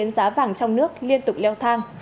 trong thời gian qua giá vàng trong nước liên tục leo thang